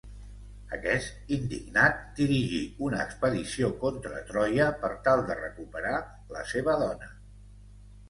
Aquest, indignat, dirigí una expedició contra Troia per tal de recuperar la seva dona.